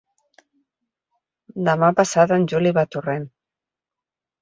Demà passat en Juli va a Torrent.